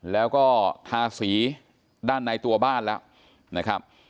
แล้วก็ทาสีด้านในตัวบ้านแล้วนะครับ